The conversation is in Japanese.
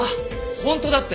本当だって。